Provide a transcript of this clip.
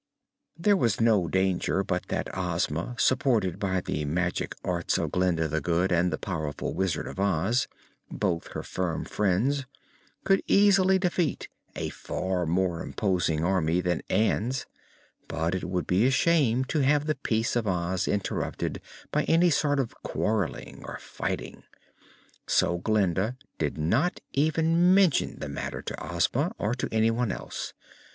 There was no danger but that Ozma, supported by the magic arts of Glinda the Good and the powerful Wizard of Oz both her firm friends could easily defeat a far more imposing army than Ann's; but it would be a shame to have the peace of Oz interrupted by any sort of quarreling or fighting. So Glinda did not even mention the matter to Ozma, or to anyone else.